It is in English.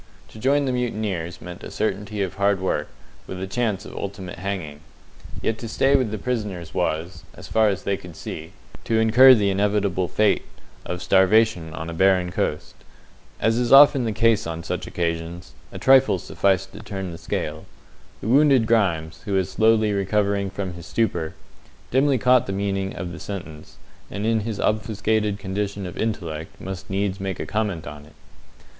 To join the mutineers meant a certainty of hard work, with a chance of ultimate hanging. Yet to stay with the prisoners was as far as they could see to incur the inevitable fate of starvation on a barren coast. As is often the case on such occasions, a trifle sufficed to turn the scale. The wounded Grimes, who was slowly recovering from his stupor, dimly caught the meaning of the sentence, and in his obfuscated condition of intellect must needs make comment upon it.